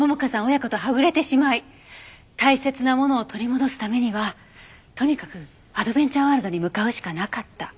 親子とはぐれてしまい大切なものを取り戻すためにはとにかくアドベンチャーワールドに向かうしかなかった。